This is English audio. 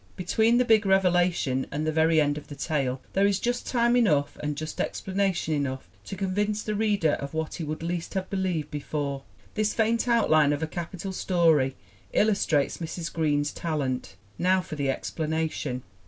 Between the big revelation and the very end of the tale there is just time enough and just explana tion enough to convince the reader of what he would least have believed before. This faint outline of a capital story illustrates Mrs. Green's talent. Now for the explanation.